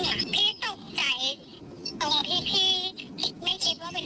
ถ้าเข้าใจว่าเราเห็นค่าแล้วได้ยินแล้วก็ว่ามันเกิดขึ้นโซนเราน่ะ